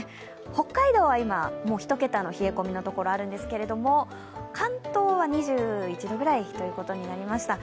北海道は今、１桁の冷え込みの所があるんですけれども関東は２１度くらいになりました。